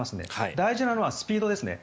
大事なのはスピードですね。